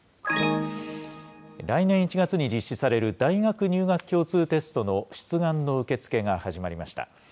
来年１月に実施される大学入学共通テストの出願の受け付けが始まりました。